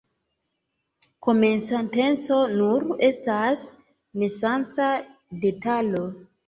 Komencanteco nur estas nesenca detalo.